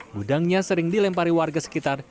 gudangnya sering dilempari warga sekitar